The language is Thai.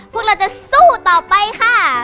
พวกเราจะสู้ต่อไปค่ะ